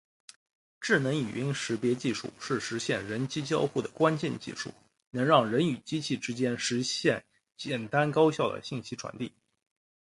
智能语音识别技术是实现人机交互的关键技术，能让人与机器之间实现简单高效的信息传递。